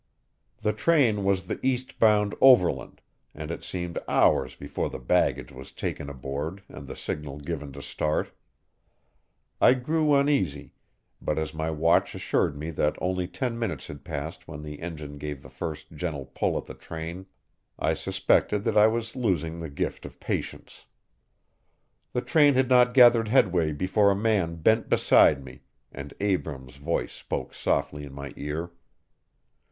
The train was the east bound overland, and it seemed hours before the baggage was taken aboard and the signal given to start. I grew uneasy, but as my watch assured me that only ten minutes had passed when the engine gave the first gentle pull at the train, I suspected that I was losing the gift of patience. The train had not gathered headway before a man bent beside me, and Abrams' voice spoke softly in my ear.